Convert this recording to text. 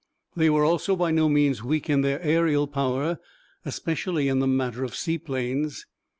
They were also by no means weak in their aerial power, especially in the matter of seaplanes.